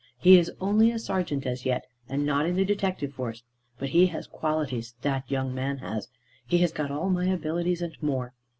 He is only a serjeant as yet, and not in the detective force; but he has qualities, that young man has, he has got all my abilities, and more!